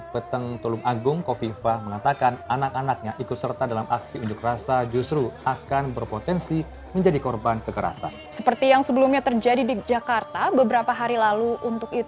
pihak sekolah diminta melakukan pengawasan pada senin tiga puluh september ini